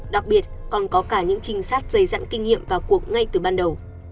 đặc biệt còn có cả những trinh sát dày dặn kinh nghiệm vào cuộc ngay từ ban đầu